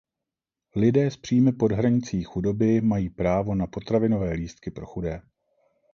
Lidé s příjmy pod hranicí chudoby mají právo na potravinové lístky pro chudé.